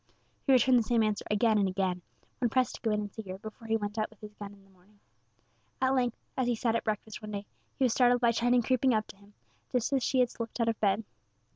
He returned the same answer again and again, when pressed to go in and see her before he went out with his gun in the morning. At length, as he sat at breakfast one day, he was startled by Tiny creeping up to him, just as she had slipped out of bed.